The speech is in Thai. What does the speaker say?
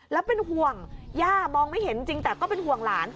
แล้วเป็นห่วงย่ามองไม่เห็นจริงแต่ก็เป็นห่วงหลาน